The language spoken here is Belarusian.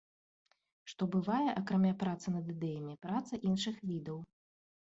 Што бывае, акрамя працы над ідэямі, праца іншых відаў.